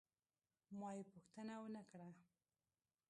ما یې پوښتنه ونه کړه.